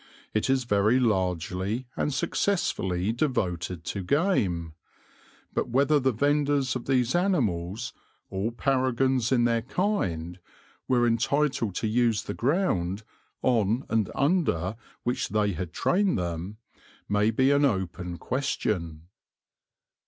It is very largely and successfully devoted to game; but whether the vendors of these animals, all paragons in their kind, were entitled to use the ground on and under which they had trained them may be an open question.